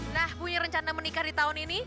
nah punya rencana menikah di tahun ini